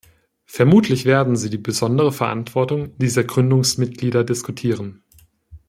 Vermutlich werden sie die besondere Verantwortung dieser Gründungsmitglieder diskutieren.